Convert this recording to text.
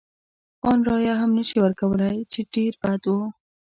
ان رایه هم نه شي ورکولای، چې ډېر بد و.